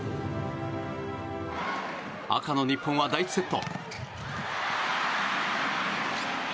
赤の日本は第１セット。